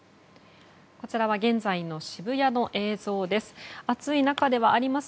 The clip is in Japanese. こちらは現在の渋谷の映像です。